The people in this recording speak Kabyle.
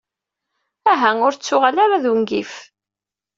Aha, ur ttuɣal ara d ungif.